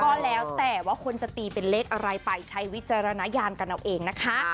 ก็แล้วแต่ว่าคนจะตีเป็นเลขอะไรไปใช้วิจารณญาณกันเอาเองนะคะ